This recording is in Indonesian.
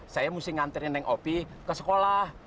saya mesti ngantri neng opi ke sekolah